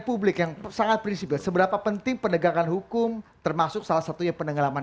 publik yang sangat prinsipil seberapa penting penegakan hukum termasuk salah satunya penenggelaman